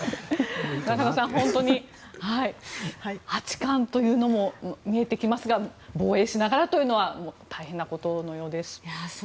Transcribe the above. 中野さん八冠というのも見えてきますが防衛しながらというのは大変なことのようです。